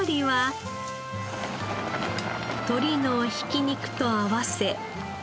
鶏のひき肉と合わせ。